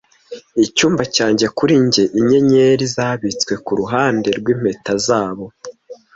Icyumba cyanjye kuri njye inyenyeri zabitswe kuruhande rwimpeta zabo,